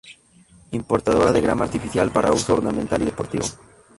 Importadora de grama artificial para uso ornamental y deportivo.